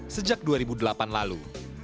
sejak dua ribu delapan lalu